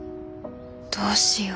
どうしよう。